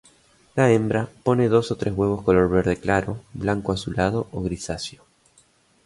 La hembra pone dos o tres huevos color verde claro, blanco azulado o grisáceo.